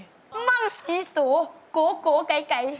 มั่งสีสูกูกูไกรไกร